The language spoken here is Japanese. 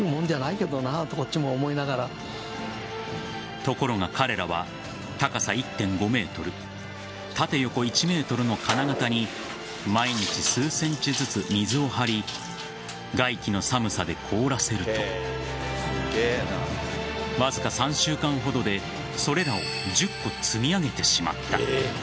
ところが彼らは、高さ１．５ｍ縦横１ｍの金型に毎日数ｃｍずつ水を張り外気の寒さで凍らせるとわずか３週間ほどでそれらを１０個積み上げてしまった。